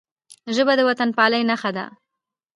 ژبه د وطنپالنې نښه ده